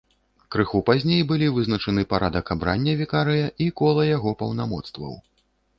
Крыху пазней былі вызначаны парадак абрання вікарыя і кола яго паўнамоцтваў.